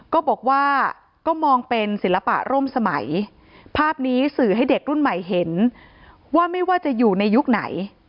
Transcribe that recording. ก็บอกว่าก็มองเป็นศิลปะร่มสมัยภาพนี้สื่อให้เด็กรุ่นใหม่เห็นว่าไม่ว่าจะอยู่ในยุคไหน